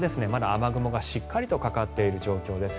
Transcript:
雨雲がしっかりとかかっている状況です